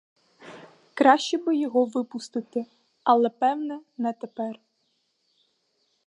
Краще би його випустити, але певне не тепер.